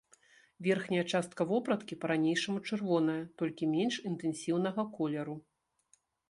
Верхняя частка вопраткі па-ранейшаму чырвоная, толькі менш інтэнсіўнага колеру.